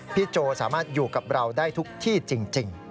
โจสามารถอยู่กับเราได้ทุกที่จริง